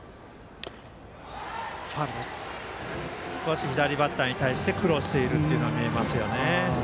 少し左バッターに対して苦労しているのが見えますよね。